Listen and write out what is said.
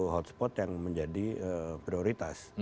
hotspot yang menjadi prioritas